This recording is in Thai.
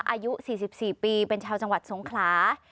อายุ๔๔ปีเป็นชาวจังหวัดสงขลา